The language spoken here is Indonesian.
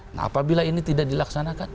nah apabila ini tidak dilaksanakan